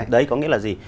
đấy có nghĩa là gì